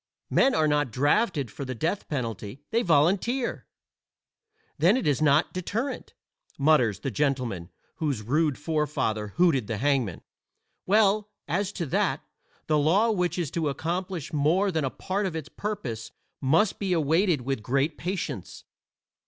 Men are not drafted for the death penalty; they volunteer. "Then it is not deterrent," mutters the gentleman whose rude forefather hooted the hangman. Well, as to that, the law which is to accomplish more than a part of its purpose must be awaited with great patience.